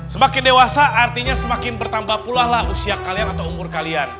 semakin dewasa artinya semakin bertambah pulalah usia kalian atau umur kalian